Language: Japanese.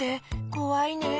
こわいねえ。